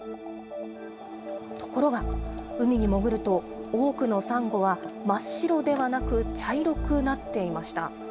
ところが、海に潜ると、多くのサンゴは真っ白ではなく、茶色くなっていました。